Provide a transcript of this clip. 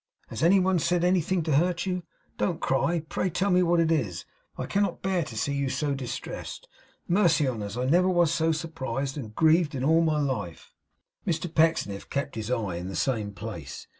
Has any one said anything to hurt you? Don't cry. Pray tell me what it is. I cannot bear to see you so distressed. Mercy on us, I never was so surprised and grieved in all my life!' Mr Pecksniff kept his eye in the same place.